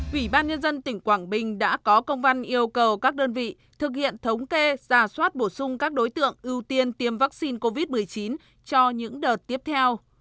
ủy ban nhân dân tỉnh quảng bình đã có công văn yêu cầu các đơn vị thực hiện thống kê giả soát bổ sung các đối tượng ưu tiên tiêm vaccine covid một mươi chín cho những đợt tiếp theo